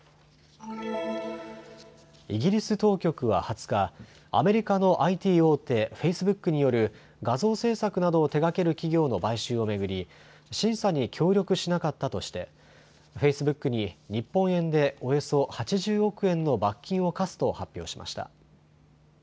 イギリス当局は２０日、アメリカのＩＴ大手、フェイスブックによる画像制作などを手がける企業の買収を巡り審査に協力しなかったとしてフェイスブックに日本円でおよそ８０億円の罰金を科すと発表しました。